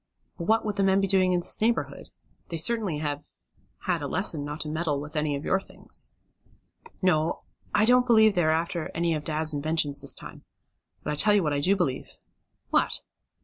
But what would the men be doing in this neighborhood? They certainly have had a lesson not to meddle with any of your things." "No, I don't believe they are after any of dad's inventions this time. But I tell you what I do believe." "What?"